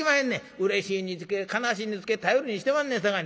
うれしいにつけ悲しいにつけ頼りにしてまんねんさかいに。